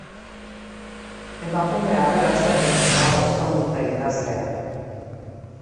Emakume aberats batekin dago ezkonduta idazlea.